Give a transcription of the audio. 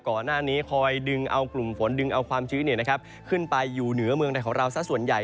ก่อนหน้านี้คอยดึงเอากลุ่มฝนดึงเอาความชื้นขึ้นไปอยู่เหนือเมืองไทยของเราซะส่วนใหญ่